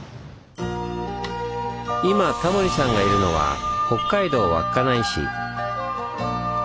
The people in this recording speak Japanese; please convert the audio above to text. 今タモリさんがいるのは北海道稚内市。